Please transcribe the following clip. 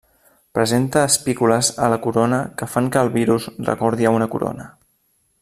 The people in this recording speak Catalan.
Presenta espícules a la corona que fan que el virus recordi a una corona.